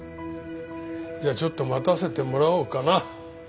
じゃあちょっと待たせてもらおうかな。